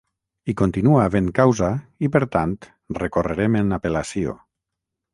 Hi continua havent causa i per tant recorrerem en apel·lació.